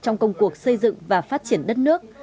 trong công cuộc xây dựng và phát triển đất nước